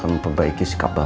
dan semoga ini semuanya bisa oh